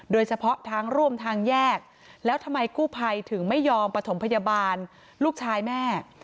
โดยเฉพาะทางร่วมทางแยกแล้วทำไมกู้ภัยถึงไม่ยอมปฐมพยาบาลลูกชายแม่